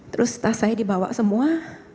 terus tas saya dibawa semua